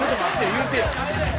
言うてよ。